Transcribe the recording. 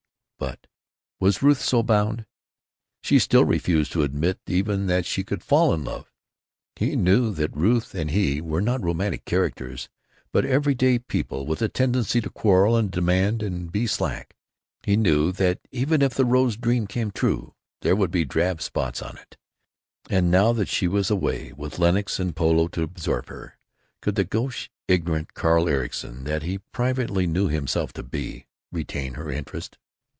But—was Ruth so bound? She still refused to admit even that she could fall in love. He knew that Ruth and he were not romantic characters, but every day people with a tendency to quarrel and demand and be slack. He knew that even if the rose dream came true, there would be drab spots in it. And now that she was away, with Lenox and polo to absorb her, could the gauche, ignorant Carl Ericson, that he privately knew himself to be, retain her interest?